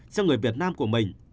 cho người việt nam của mình